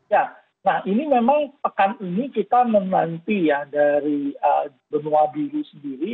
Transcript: ya nah ini memang pekan ini kita menanti ya dari benua biru sendiri